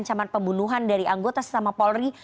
ada ancaman pembunuhan dari anggota setelah polri